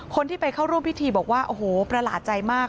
คนที่ไปเข้าร่วมพิธีบอกว่าโอ้โหประหลาดใจมาก